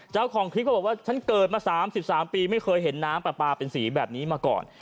เจ้าของคลิปก็บอกว่าฉันเกิดมา๓๓ปีไม่เคยเห็นน้ำปลาปลาเป็นสีแบบนี้มาก่อน